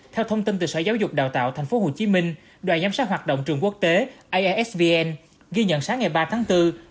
theo thông tin từ sở giáo dục đào tạo tp hcm đoàn giám sát hoạt động trường quốc tế aisvn ghi nhận sáng ngày ba tháng bốn